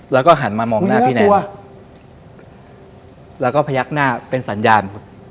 แล้วก็หันมามองหน้าพี่แนนแล้วก็พยักหน้าเป็นสัญญาณ